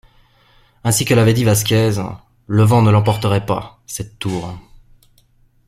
Ainsi que l'avait dit Vasquez, le vent ne l'emporterait pas, cette tour.